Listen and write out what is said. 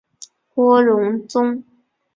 郭荣宗。